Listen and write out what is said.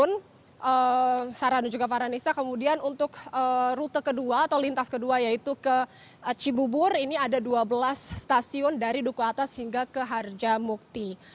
untuk saranujuga farhanisa kemudian untuk rute kedua atau lintas kedua yaitu ke cibubur ini ada dua belas stasiun dari duku atas hingga ke harjamukti